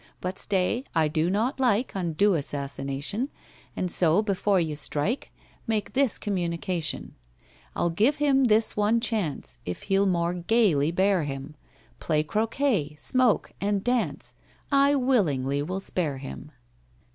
"But stay—I do not like Undue assassination, And so before you strike, Make this communication: "I'll give him this one chance— If he'll more gaily bear him, Play croquêt, smoke, and dance, I willingly will spare him."